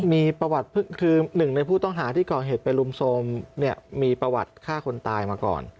มีประวัติคือหนึ่งในผู้ต้องหาที่ก่อเหตุไปรุมโทรมเนี่ยมีประวัติฆ่าคนตายมาก่อน